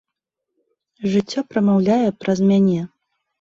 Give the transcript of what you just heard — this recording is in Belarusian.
Жыццё прамаўляе праз мяне.